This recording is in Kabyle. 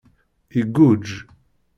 Iguǧǧ.